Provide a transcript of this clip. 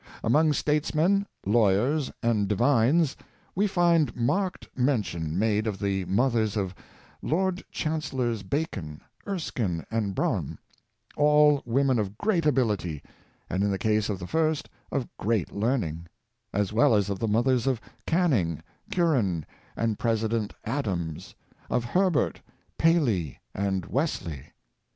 Among statesmen, lawyers and divines, we find marked mention made of the mothers of Lord Chancel lors Bacon, Erskine and Brougham, all women of great ability, and in the case of the first, of great learning; as well as of the mothers of Canning, Curran and Presi dent Adams, of Herbert, Paley and Wesley.